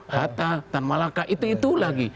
hatta tamalaka itu itu lagi